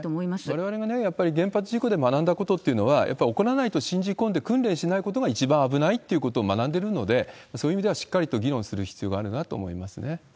われわれがやっぱり原発事故で学んだことっていうのは、やっぱり起こらないと信じ込んで、訓練しないことが一番危ないってことを学んでるので、そういう意味では、しっかりと議論する必要があるなと思いますね。